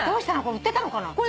売ってたのかな？